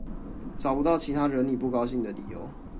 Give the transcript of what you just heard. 找不到其他惹你不高興的理由